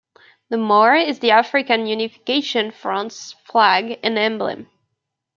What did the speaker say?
The Maure is the African Unification Front's flag and emblem.